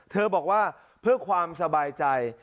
เธอบอกว่าเพื่อความสบายใจ